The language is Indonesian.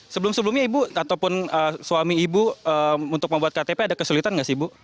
sebelum sebelumnya ibu ataupun suami ibu untuk membuat ktp ada kesulitan nggak sih ibu